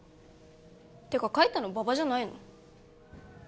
ってか書いたの馬場じゃないの？